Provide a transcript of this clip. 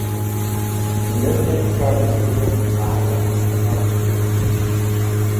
Ny lhig da'n ghrian lhie er y chorree eu.